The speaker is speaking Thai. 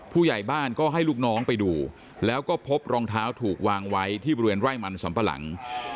ผู้ใหญ่บ้านก็ให้ลูกน้องไปดูแล้วก็พบรองเท้าถูกวางไว้ที่บริเวณไร่มันสำปะหลัง